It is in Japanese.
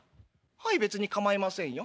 「はい別に構いませんよ。